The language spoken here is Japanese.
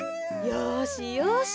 よしよし。